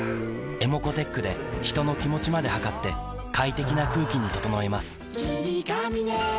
ｅｍｏｃｏーｔｅｃｈで人の気持ちまで測って快適な空気に整えます三菱電機